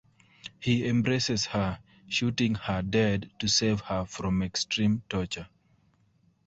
He embraces her, shooting her dead to save her from extreme torture.